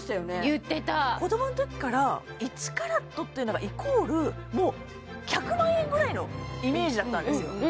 言ってた子供のときから１ｃｔっていうのがイコールもう１００万円ぐらいのイメージだったんですよ